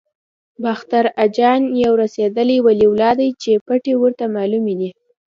باختر اجان یو رسېدلی ولي الله دی چې پټې ورته معلومې دي.